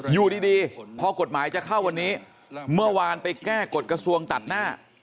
อยู่ดีพอกฎหมายจะเข้าวันนี้เมื่อวานไปแก้กฎกระทรวงตัดหน้า